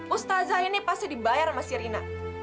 ustazah ini pasti dibayar sama si rina